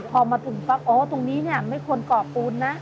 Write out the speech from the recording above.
พอมาถึงฟักตรงนี้ไม่ควรก่อปูนนะ